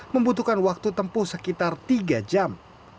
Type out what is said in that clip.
membutuhkan waktu tempuh sekitar tiga jam